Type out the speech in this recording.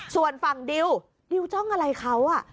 ส่วนฝั่งดิวดิวจ้องอะไรเขา